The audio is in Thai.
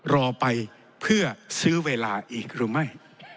รอไปเพื่อซื้อเวลาอีกหรือไม่